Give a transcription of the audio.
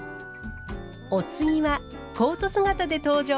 お次はコート姿で登場。